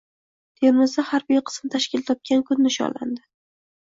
Termizda harbiy qism tashkil topgan kun nishonlandi